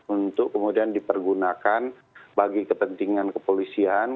untuk kemudian dipergunakan bagi kepentingan kepolisian